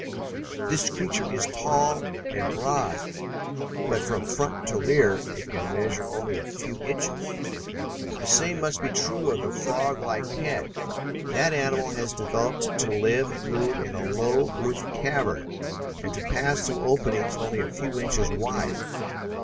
This creature is tall and broad, but from front to rear it can measure only a few inches. The same must be true of the froglike head. That animal has been developed to live and move in a low roofed cavern, and to pass through openings only a few inches wide.